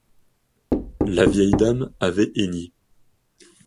La vieille dame avait henni.